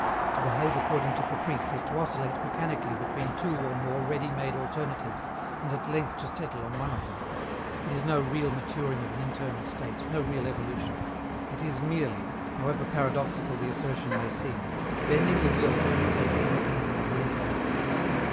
To behave according to caprice is to oscillate mechanically between two or more ready made alternatives and at length to settle on one of them; it is no real maturing of an internal state, no real evolution; it is merely however paradoxical the assertion may seem bending the will to imitate the mechanism of the intellect.